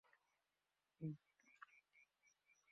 দুটি জেটি তৈরি করা হয়েছে নদী থেকে মাঠে মালামাল তোলার জন্য।